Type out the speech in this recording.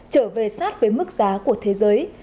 trở về sát với mức giá của thế giới